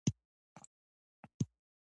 څنګه کولی شم د فون پاسورډ مات کړم